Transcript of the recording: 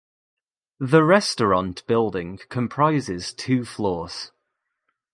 The restaurant building comprises two floors.